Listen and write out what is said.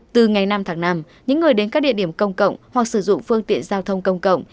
từ ngày năm tháng năm những người đến các địa điểm công cộng hoặc sử dụng phương tiện giao thông công cộng